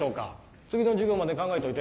次の授業まで考えといて。